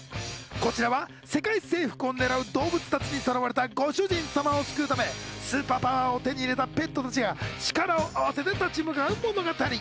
こちらは世界征服を狙う動物たちにさらわれたご主人様を救うため、スーパーパワーを手に入れたペットたちが力を合わせて立ち向かう物語。